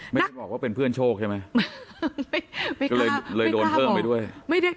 ไม่ได้บอกว่าเป็นเพื่อนโชคใช่ไหมก็เลยเลยโดนเพิ่มไปด้วย